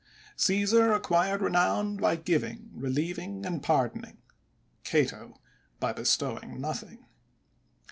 Caesar acquired renown by giving, relieving and pardoning; Cato by bestowing nothing.